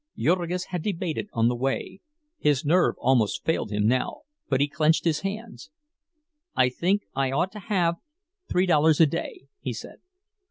Jurgis had debated on the way. His nerve almost failed him now, but he clenched his hands. "I think I ought to have' three dollars a day," he said.